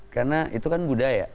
karena itu kan budaya